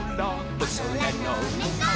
「おそらのむこう！？